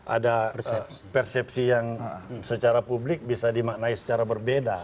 ada persepsi yang secara publik bisa dimaknai secara berbeda